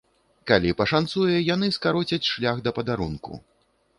Калі пашанцуе, яны скароцяць шлях да падарунку.